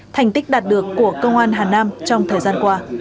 thành tích đạt được của công an hà nam trong thời gian qua